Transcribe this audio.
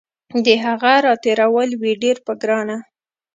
د هغه راتېرول وي ډیر په ګرانه